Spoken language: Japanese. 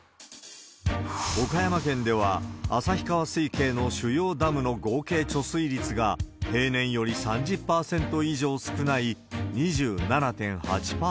岡山県では、旭川水系の主要ダムの合計貯水率が平年より３０％以上少ない２７．８％に。